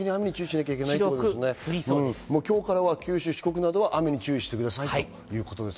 今日からは九州、四国などは雨に注意してくださいということです。